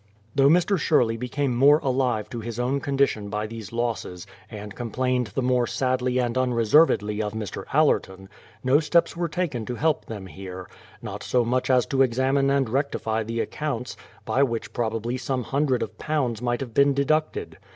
Though Mr. Sherley became more alive to his own con dition by these losses, and complained the more sadly and unreservedly of Mr. Allerton, no steps were taken to help them here — not so much as to examine and rectify the accoimts, by which probably some hundred of pounds might have been deducted.